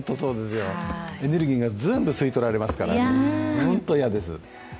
エネルギーが全部、吸い取られますから本当、嫌です。